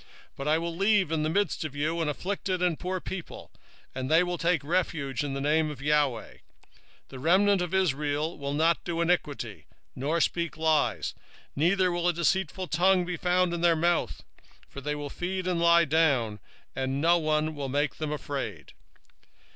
3:12 I will also leave in the midst of thee an afflicted and poor people, and they shall trust in the name of the LORD. 3:13 The remnant of Israel shall not do iniquity, nor speak lies; neither shall a deceitful tongue be found in their mouth: for they shall feed and lie down, and none shall make them afraid.